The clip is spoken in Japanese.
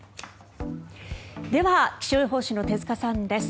では、気象予報士の手塚さんです。